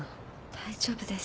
大丈夫です。